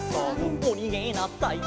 「おにげなさい」